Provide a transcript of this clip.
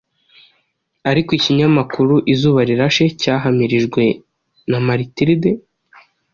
ariko Ikinyamakuru Izuba Rirashe cyahamirijwe na Matilde